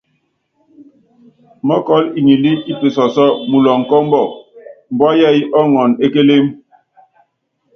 Mɔ́kɔl ŋilí i pisɔsɔ́ muloŋ kɔ ɔmbɔk, mbua yɛɛyɛ́ ɔɔŋɔn e kélém.